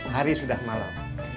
hari sudah malam